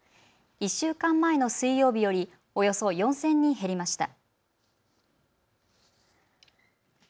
１週間前の水曜日よりおよそ４０００人減りました。